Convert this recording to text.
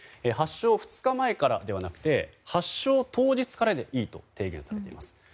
発症２日前からではなく当日からでいいと提言されています。